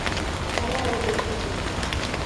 Qaro edi o’sha tun.